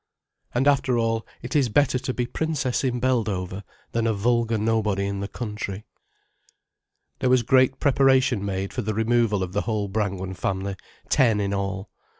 And after all, it is better to be princess in Beldover than a vulgar nobody in the country. There was great preparation made for the removal of the whole Brangwen family, ten in all.